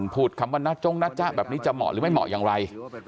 พูดคำว่านะจงนะจ๊ะแบบนี้จะเหมาะหรือไม่เหมาะอย่างไร